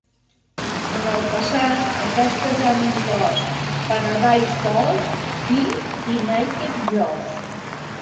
En el passat, aquestes han inclòs "Paradise Falls", "KinK" i "Naked Josh".